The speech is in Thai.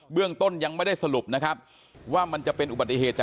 เป็นไปได้ที่ถนนเลื่อน